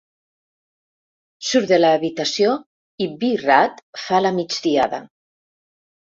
Surt de l'habitació i B-Rad fa la migdiada.